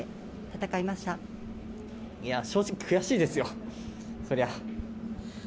いや、正直悔しいですよ、そりゃ。